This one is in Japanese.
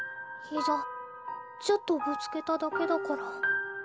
膝ちょっとぶつけただけだから。